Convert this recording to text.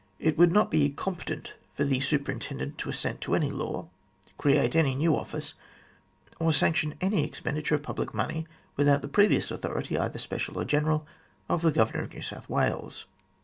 It would not be competent for the Superintendent to assent to any law, create any new office, or sanction any expenditure of public money, without the previous authority, either special or general, of the Governor of New South Wales.